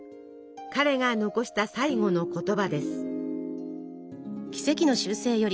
彼が残した最後の言葉です。